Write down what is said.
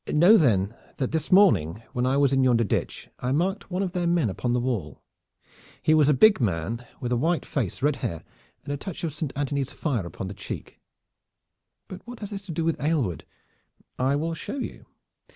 Know then that this morning when I was in yonder ditch I marked one of their men upon the wall. He was a big man with a white face, red hair and a touch of Saint Anthony's fire upon the cheek." "But what has this to do with Aylward?" "I will show you.